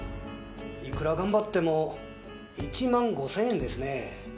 いくら頑張っても１万５０００円ですね。